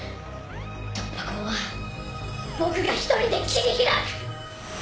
突破口は僕が一人で切り開く！